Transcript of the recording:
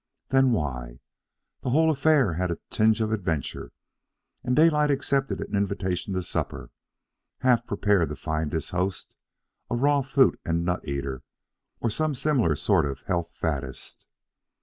Then why? The whole affair had a tinge of adventure, and Daylight accepted an invitation to supper, half prepared to find his host a raw fruit and nut eater or some similar sort of health faddest.